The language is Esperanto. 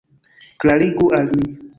Klarigu al mi.